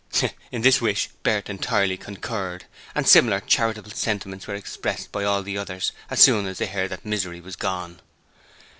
In this wish Bert entirely concurred, and similar charitable sentiments were expressed by all the others as soon as they heard that Misery was gone.